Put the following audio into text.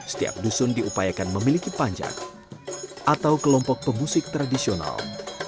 setiap dusun diupayakan memiliki panjang atau kelompok pemusik tradisional